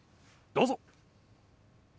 どうぞ。